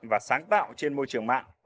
và sáng tạo trên môi trường mạng